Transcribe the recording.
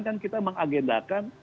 kan kita mengagendakan